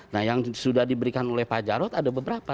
nah yang sudah diberikan oleh pajak ada beberapa